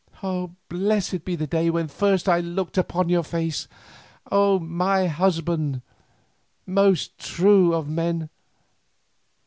Blessed be the day when first I looked upon your face, O my husband, most true of men.